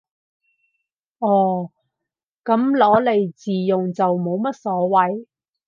哦，噉攞嚟自用就冇乜所謂